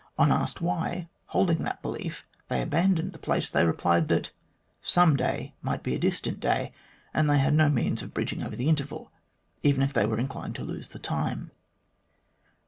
On being asked why, holding that belief, they abandoned the place, they replied that the " some day " might be a distant day, and they had no means of bridging over the interval, even if they were inclined to lose the time.